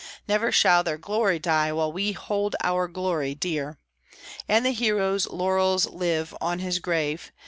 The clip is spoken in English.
Never shall their glory die while we hold our glory dear, And the hero's laurels live on his grave.